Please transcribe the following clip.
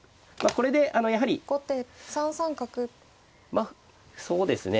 まあそうですね